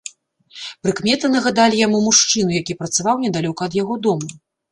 Прыкметы нагадалі яму мужчыну, які працаваў недалёка ад яго дома.